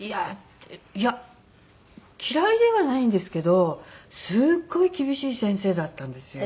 いや嫌いではないんですけどすっごい厳しい先生だったんですよ。